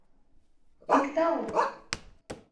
Пикталт!..